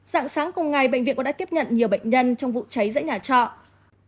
dạng sáng cùng ngày bệnh viện đã tiếp nhận nhiều bệnh nhân trong vụ cháy dãy nhà trọ